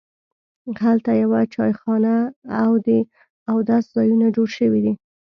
هلته یوه چایخانه او د اودس ځایونه جوړ شوي دي.